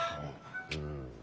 うん。